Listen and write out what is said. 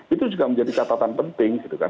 itu juga menjadi catatan penting gitu kan